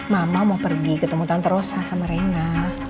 mama mau pergi ketemu tante rosa sama rena